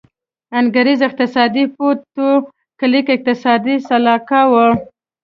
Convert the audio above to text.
انګرېز اقتصاد پوه ټو کلیک اقتصادي سلاکار و.